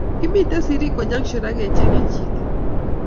Kimiten sirikwa junction raa kechenge Chiton